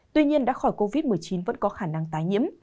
tuy nhiên đã khỏi covid một mươi chín vẫn có khả năng tái nhiễm